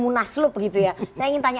munaslup begitu ya saya ingin tanya